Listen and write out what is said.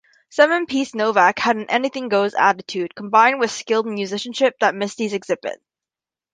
Seven-piece Novak had an "anything goes" attitude combined with skilled musicianship that Misty's exhibit.